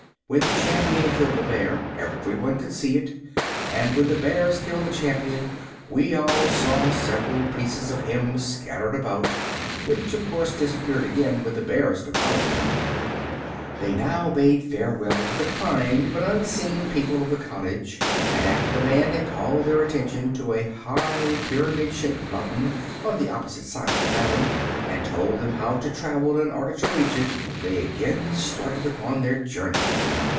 When the Champion killed a bear everyone could see it; and when the bears killed the Champion we all saw several pieces of him scattered about, which of course disappeared again when the bears devoured them." They now bade farewell to the kind but unseen people of the cottage, and after the man had called their attention to a high, pyramid shaped mountain on the opposite side of the Valley, and told them how to travel in order to reach it, they again started upon their journey.